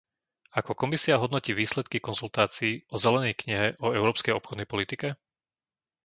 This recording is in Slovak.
Ako Komisia hodnotí výsledky konzultácií o zelenej knihe o európskej obchodnej politike?